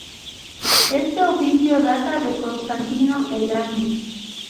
Este oficio data de Constantino el Grande.